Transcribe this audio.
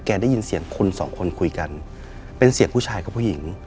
ได้ยินเสียงคนสองคนคุยกันเป็นเสียงผู้ชายกับผู้หญิง